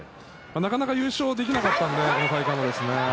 なかなか優勝できなかったので大会も。